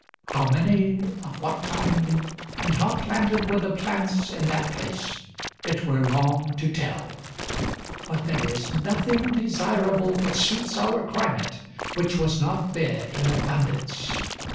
How many, of what kind, and how planted were the plants in that place, it were long to tell; but there is nothing desirable which suits our climate which was not there in abundance.